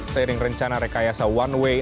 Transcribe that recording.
seiring rencana rekayasa one way